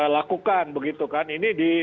lakukan begitu kan ini